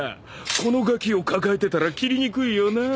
このがきを抱えてたら斬りにくいよなぁ。